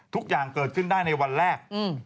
ทุกอย่างเกิดขึ้นได้ในวันแรก